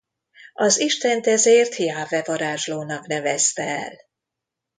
Az Istent ezért Jahve varázslónak nevezte el.